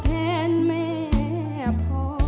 เพลงที่สองเพลงมาครับ